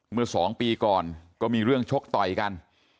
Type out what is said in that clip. เมื่อ๒ปีก่อนก็มีเรื่องชกต่อยกัน